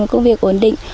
một công việc ổn định